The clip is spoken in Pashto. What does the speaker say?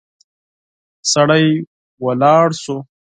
سړی ولاړ شو.